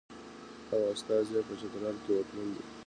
او استازی یې په چترال کې واکمن وي.